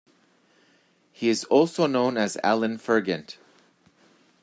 He is also known as Alan Fergant.